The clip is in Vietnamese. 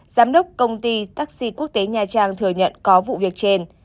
giám đốc công ty taxi quốc tế nha trang thừa nhận có vụ việc trên